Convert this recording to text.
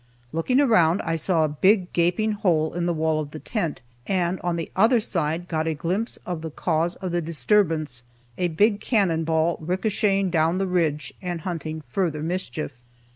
Looking around, I saw a big, gaping hole in the wall of the tent, and on the other side got a glimpse of the cause of the disturbance a big cannon ball ricochetting down the ridge, and hunting further mischief.